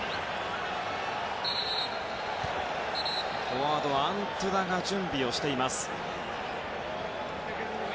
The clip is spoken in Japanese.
フォワード、アントゥナが準備をしています。